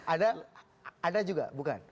ada ada juga bukan